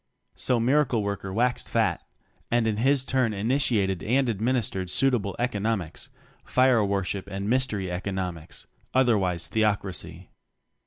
So Miracle worker waxed fat, and in his turn initiated and administered suitable economics fire worship and mystery economics, otherwise Theocracy.